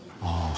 ああ。